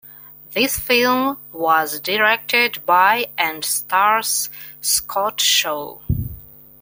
This film was directed by and stars Scott Shaw.